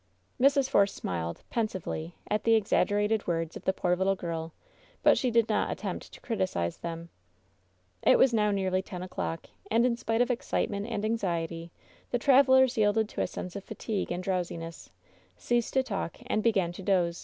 Mrs. Force smiled, pensively, at the exaggerated words of the poor little girl, but she did not attempt to criticize them. It was now nearly ten o*clock, and in spite of excite ment and anxiety the travelers yielded to a sense of fa tiionie and drowsiness, ceased to talk, and began to doze.